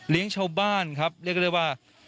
เลี้ยงชาวบ้านครับเรียกได้ว่า